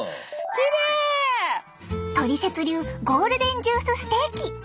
トリセツ流ゴールデンジュースステーキ召し上がれ！